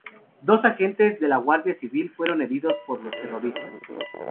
Dos agentes de la Guardia Civil fueron heridos por los terroristas.